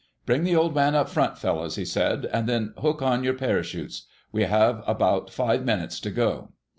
"Bring the Old Man up front, fellows," he said. "And then hook on your parachutes. We have about five minutes to go."